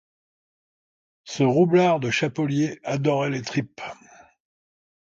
Ce roublard de chapelier adorait les tripes.